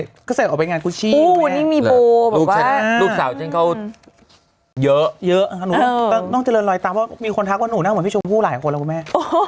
อากาศรับเป็นงานกู้ชีหนิค่ะมาเดี๋ยวเยอะหนึ่งน้องเจริญรอยต้ามว่ามีคนครับวงพี่ชมผู้หลายคนแล้วแม่